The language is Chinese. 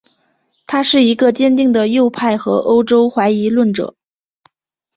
他是一个坚定的右派和欧洲怀疑论者。